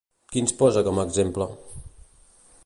Quins posa com a exemple?